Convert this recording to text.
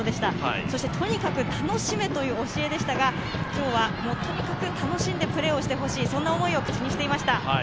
そしてとにかく楽しめという教えでしたが、今日はとにかく楽しんでプレーをしてほしいそんな思いを口にしていました。